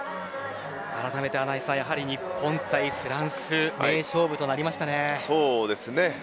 あらためて穴井さん日本対フランス名勝負となりましたね。